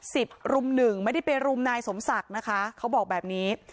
กลุ่มรุ่มหนึ่งไม่ได้ไปรุมนายสมศักดิ์นะคะเขาบอกแบบนี้